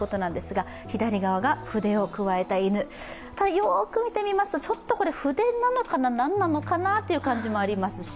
よく見てみますと、筆なのかな、何なのかなという感じもありますし